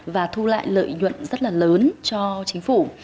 và thu lại lợi nhuận rất là lớn cho chính phủ